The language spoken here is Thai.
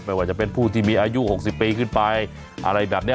ว่าจะเป็นผู้ที่มีอายุ๖๐ปีขึ้นไปอะไรแบบนี้